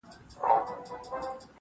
نه به بیا هغه ارغوان راسي -